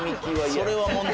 それは問題よ。